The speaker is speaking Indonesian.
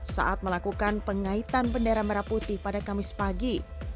saat melakukan pengaitan bendera merah putih pada kamis pagi